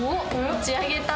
持ち上げた？